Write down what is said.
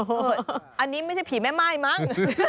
อันนี้ไม่ใช่ผีแม่ม่ายมั้ง